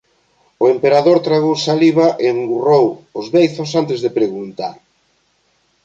O Emperador tragou saliva e engurrou os beizos antes de preguntar: